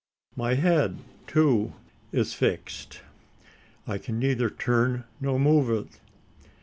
My head, too, is fixed: I can neither turn nor move it.